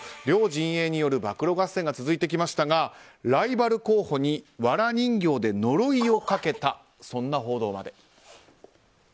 両陣営による暴露合戦が続いてきましたがライバル候補にわら人形で呪いをかけたそんな報道まで。